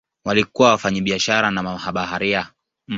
Walikuwa wafanyabiashara na mabaharia hodari sana.